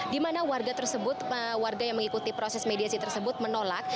di mana warga tersebut warga yang mengikuti proses mediasi tersebut menolak